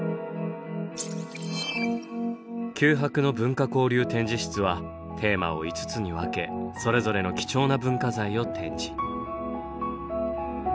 九博の文化交流展示室はテーマを５つにわけそれぞれの貴重な文化財を展示。